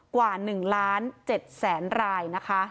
กว่า๑๐๗๐๐๐ราย